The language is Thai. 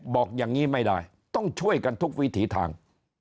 บอกอย่างนี้ไม่ได้ต้องช่วยกันทุกวิถีทาง